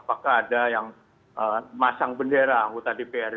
apakah ada yang masang bendera anggota dpr